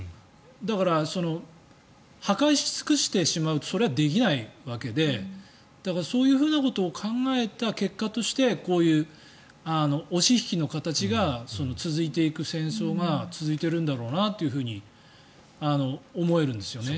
だから、破壊し尽くしてしまうとそれはできないわけでだから、そういうふうなことを考えた結果としてこういう押し引きの形が続いていく戦争が続いているんだろうなと思えるんですね。